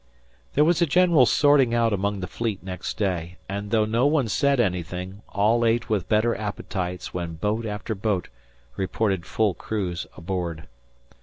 There was a general sorting out among the Fleet next day; and though no one said anything, all ate with better appetites when boat after boat reported full crews aboard.